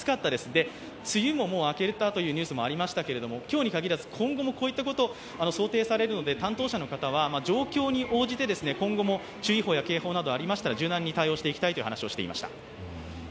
で、梅雨も明けたというニュース、ありましたけれども今日に限らず今後もこういうことが想定されますので担当者の方は、状況に応じて今後も注意報や警報がありましたら柔軟に対応していきたいと話していました。